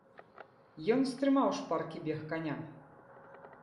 Ён стрымаў шпаркі бег каня.